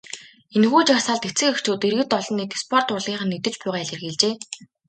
Энэхүү жагсаалд эцэг эхчүүд, иргэд олон нийт, спорт, урлагийнхан нэгдэж буйгаа илэрхийлжээ.